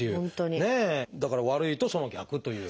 だから悪いとその逆という。